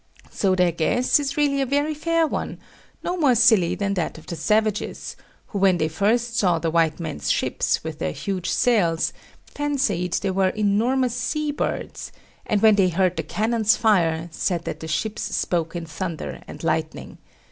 So their guess is really a very fair one; no more silly than that of the savages, who when they first saw the white men's ships, with their huge sails, fancied they were enormous sea birds; and when they heard the cannons fire, said that the ships spoke in thunder and lightning.